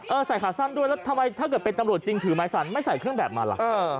เออขาสั้นด้วยแล้วถ้าเป็นตำรวจจริงถือหมายศร้านไม่ใส่เครื่องแบบมาหรอ